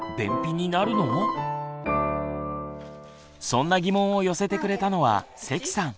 そんな疑問を寄せてくれたのは関さん。